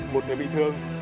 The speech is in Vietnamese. một người bị thương